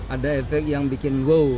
ada efek yang bikin go